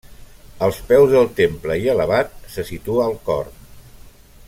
Als peus del temple i elevat, se situa el cor.